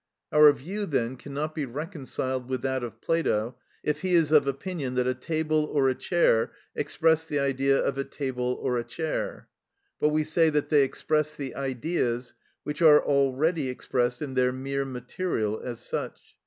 Our view, then, cannot be reconciled with that of Plato if he is of opinion that a table or a chair express the Idea of a table or a chair (De Rep., x., pp. 284, 285, et Parmen., p. 79, ed. Bip.), but we say that they express the Ideas which are already expressed in their mere material as such.